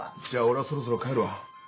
じゃあ俺はそろそろ帰るわ。